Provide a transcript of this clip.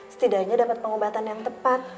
setidaknya dapat pengobatan yang tepat